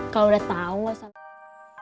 kalo udah tau gak sampai